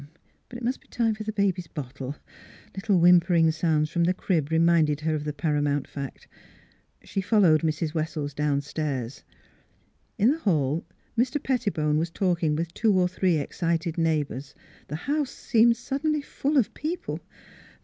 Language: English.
... But it must be time for baby's bottle; little whimpering sounds from the crib reminded her of the paramount fact. She followed Mrs. Wessells downstairs. In the hall Mr. Pettibone was talking with two or three excited neighbors; the house seemed suddenly full of people.